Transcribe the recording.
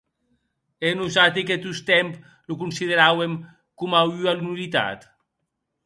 E nosati que tostemp lo consideràuem coma ua nullitat!